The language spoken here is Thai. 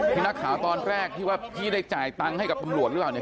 พี่นักข่าวตอนแรกที่ว่าพี่ได้จ่ายตังค์ให้กับตำรวจหรือเปล่าเนี่ย